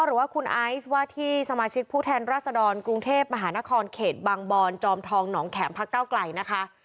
หรือว่าคุณไอซ์ว่าที่สมาชิกผู้แทนราษดรกรุงเทพมหานครเขตบางบอนจอมทองหนองแขมพักเก้าไกลนะคะ